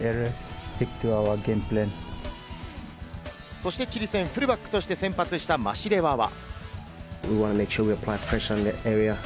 そしてチリ戦フルバックとして先発したマシレワは。